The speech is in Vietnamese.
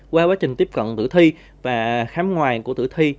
qua quá trình tiếp cận tử thi và khám ngoài của tử thi